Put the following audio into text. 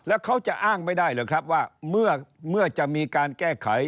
แล้วเขาจะอ้างไม่ได้หรือครับว่าเมื่อจะมีการแก้ไข